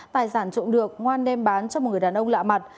tài sản trộm được ngoan đem bán cho một người đàn ông lạ mặt